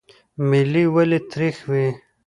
ملی ولې تریخ وي؟